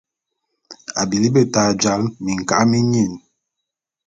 A bili beta jal minka’a minyin.